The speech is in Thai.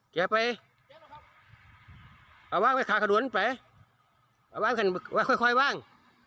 แกะไปเอาว่างไว้ค่ะขนวนไปเอาว่างค่ะค่อยว่าง